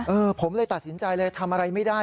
ผมเลยตัดสินใจเลยทำอะไรไม่ได้